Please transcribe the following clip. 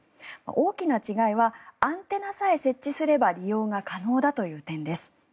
大きな違いはアンテナさえ設置すれば利用が可能だという点です。